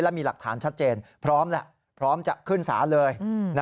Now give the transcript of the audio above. และมีหลักฐานชัดเจนพร้อมแล้วพร้อมจะขึ้นศาลเลย